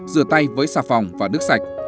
rửa tay với sạp phòng và nước sạch